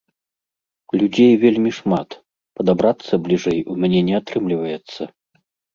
Людзей вельмі шмат, падабрацца бліжэй у мяне не атрымліваецца.